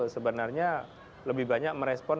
sebenarnya lebih banyak merespon